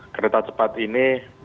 kereta cepat ini